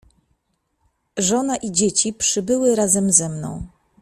"Żona i dzieci przybyły razem ze mną."